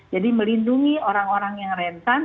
jadi melindungi orang orang yang rentan